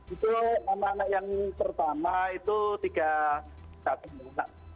itu nama anak yang pertama itu tiga kata